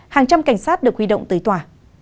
hàng trăm cảnh sát được huy động tới tòa